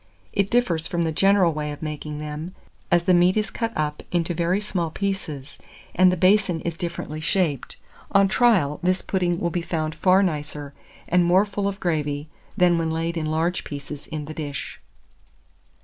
It differs from the general way of making them, as the meat is cut up into very small pieces and the basin is differently shaped: on trial, this pudding will be found far nicer, and more full of gravy, than when laid in large pieces in the dish.